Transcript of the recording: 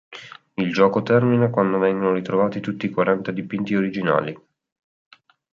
Il gioco termina quando vengono ritrovati tutti i quaranta dipinti originali.